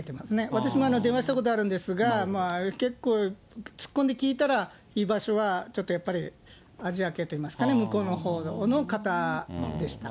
私も電話したことあるんですが、結構、突っ込んで聞いたら、居場所は、ちょっとやっぱり、アジア系といいますか、向こうのほうの方でした。